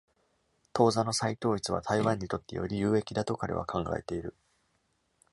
当座の再統一は台湾にとってより有益だと彼は考えている。